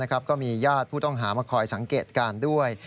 ก็มีญาติผู้ต้องหามาคอยสังเกตการณ์ด้วย